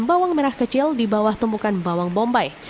bawang merah kecil di bawah tumbukan bawang bombay